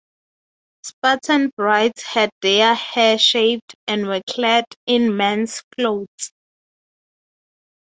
Spartan brides had their hair shaved and were clad in men's clothes.